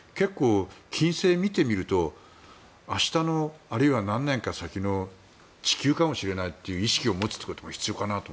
金星を見てみると明日のあるいは何年か先の地球かもしれないという意識を持つことも必要かなと。